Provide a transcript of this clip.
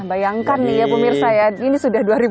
bayangkan nih ya pemirsa ya ini sudah dua ribu dua puluh empat